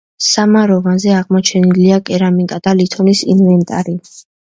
სამაროვანზე აღმოჩენილია კერამიკა და ლითონის ინვენტარი.